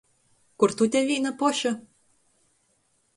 Kur tu te vīna poša?